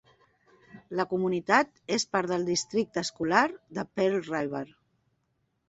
La comunitat és part del Districte Escolar de Pearl River.